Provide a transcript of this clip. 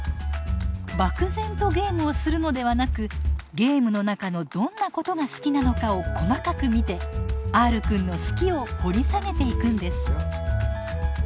漠然とゲームをするのではなくゲームの中のどんなことが好きなのかを細かく見てＲくんの「好き」を掘り下げていくんです。